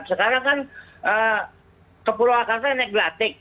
sekarang kan ke pulau akarta naik glatik